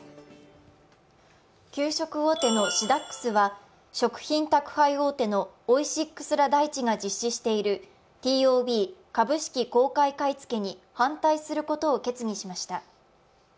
給食大手のシダックスは食品宅配大手のオイシックス・ラ・大地が実施しているＴＯＢ＝株式公開買い付けに反対することを決議しました。